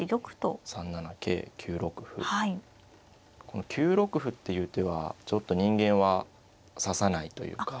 この９六歩っていう手はちょっと人間は指さないというか。